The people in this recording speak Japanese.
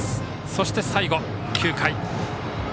そして最後、９回。